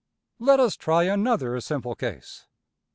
Let us try another simple case.